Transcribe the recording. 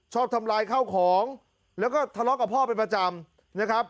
ทำลายข้าวของแล้วก็ทะเลาะกับพ่อเป็นประจำนะครับ